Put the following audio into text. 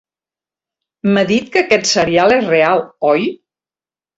M'ha dit que aquest serial és real, oi?